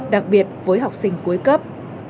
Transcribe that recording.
đặc biệt với học sinh cuối cấp